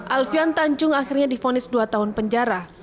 alfian tanjung akhirnya difonis dua tahun penjara